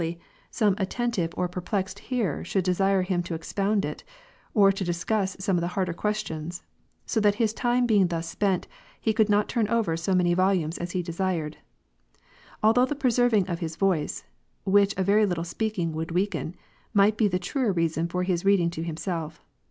89 some attentive or perplexed hearer should desire him to ex pound it, or to discuss some of the harder questions ; so that his time being thus spent, he could not turn over so many volumes as he desired ; although the preserving of his voice (which a very little speaking would weaken) might be the truer reason for his reading to himself.